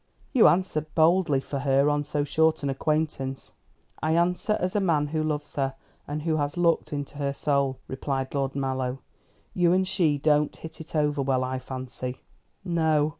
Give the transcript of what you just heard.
"You answer boldly for her on so short an acquaintance." "I answer as a man who loves her, and who has looked into her soul," replied Lord Mallow. "You and she don't hit it over well, I fancy." "No.